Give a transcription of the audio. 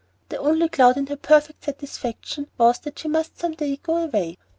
The only cloud in her perfect satisfaction was that she must some day go away.